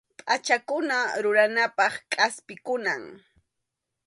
Pʼachakuna ruranapaq kʼaspikunam.